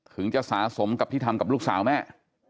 ถึงจะสะสมกับที่ทำกับลูกสาวแม่